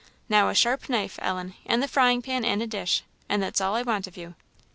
"Now, a sharp knife, Ellen, and the frying pan and a dish and that's all I want of you."